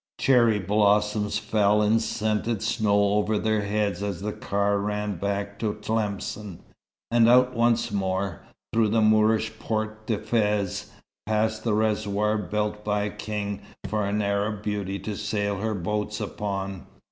Cherry blossoms fell in scented snow over their heads as the car ran back to Tlemcen, and out once more, through the Moorish Porte de Fez, past the reservoir built by a king for an Arab beauty to sail her boats upon.